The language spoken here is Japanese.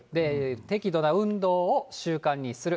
適度な運動を習慣にする。